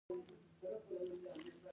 آیا تخت جمشید یو لرغونی ښار نه دی؟